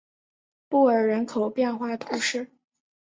布尔人口变化图示